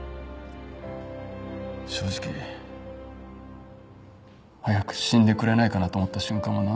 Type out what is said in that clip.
正直早く死んでくれないかなと思った瞬間も何度もあった。